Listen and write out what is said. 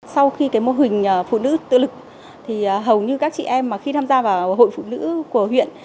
sau khi cái mô hình phụ nữ tự lực thì hầu như các chị em mà khi tham gia vào hội phụ nữ của huyện